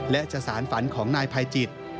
และจะสารฝันของนายภัยจิต